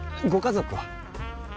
ご家族は？